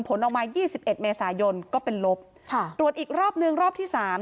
ผลออกมายี่สิบเอ็ดเมษายนก็เป็นลบค่ะตรวจอีกรอบนึงรอบที่สาม